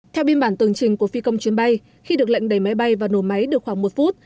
theo biên bản tường trình của phi công chuyến bay khi được lệnh đẩy máy bay vào nổ máy được khoảng một phút